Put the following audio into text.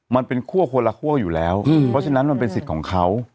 มันเป็นคั่วคนละคั่วอยู่แล้วเพราะฉะนั้นมันเป็นสิทธิ์ของเขา